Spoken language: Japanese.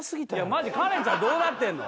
マジカレンちゃんどうなってんの？